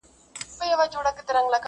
میاشتي ووتې طوطي هسی ګونګی وو!.